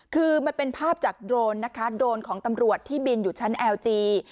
คือมันเป็นภาพจากโดรนนะคะโดรนของตำรวจที่บินอยู่ชั้นแอลจี